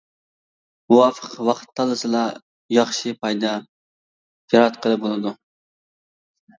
مۇۋاپىق ۋاقىت تاللىسىلا ياخشى پايدا ياراتقىلى بولىدۇ.